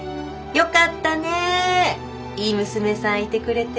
よかったねいい娘さんいてくれて。